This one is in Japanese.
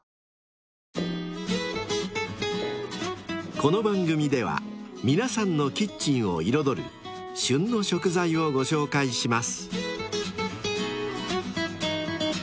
［この番組では皆さんのキッチンを彩る「旬の食材」をご紹介します］